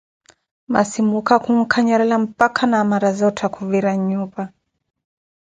Masi muukha khunkanyerera mpakha Namarazootha khuvira nnyupa.